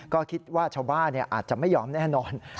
ก็คิดว่าชาวบ้านอาจจะไม่ยอมแน่นอน